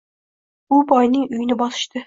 U boyning uyini bosishdi.